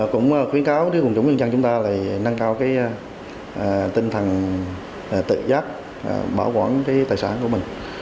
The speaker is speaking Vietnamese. cũng khuyến cáo đối với chúng ta là nâng cao tinh thần tự giáp bảo quản tài sản của mình